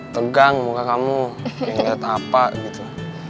tegang muka kamu pengen liat apa gitu